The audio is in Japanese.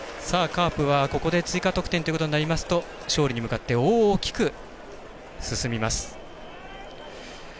カープは、ここで追加得点ということになりますと勝利に向かって大きく進みます。